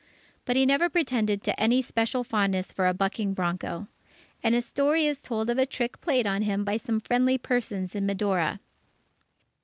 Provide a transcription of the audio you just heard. But he never pretended to any special fondness for a bucking bronco; and a story is told of a trick played on him by some friendly persons in Medora.